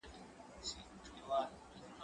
زه بايد کالي وپرېولم؟